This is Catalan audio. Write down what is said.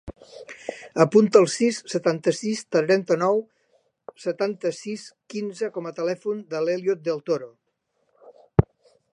Apunta el sis, setanta-sis, trenta-nou, setanta-sis, quinze com a telèfon de l'Elliot Del Toro.